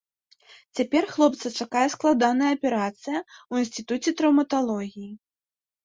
Цяпер хлопца чакае складаная аперацыя ў інстытуце траўматалогіі.